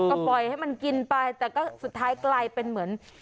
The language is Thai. ก็ปล่อยให้มันกินไปแต่ก็สุดท้ายกลายเป็นเหมือน